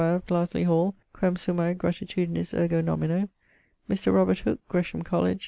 of Glasley Hall, quem summae gratitudinis ergo nomino. Mr. Robert Hooke, Gresham College.